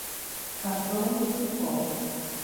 Capão do Cipó